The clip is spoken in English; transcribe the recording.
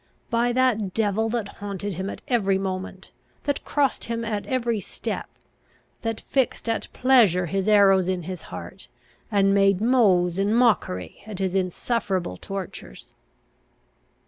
By that devil that haunted him at every moment, that crossed him at every step, that fixed at pleasure his arrows in his heart, and made mows and mockery at his insufferable tortures."